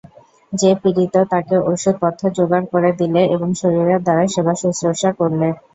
যে পীড়িত, তাকে ঔষধ পথ্য যোগাড় করে দিলে এবং শরীরের দ্বারা সেবাশুশ্রূষা করলে।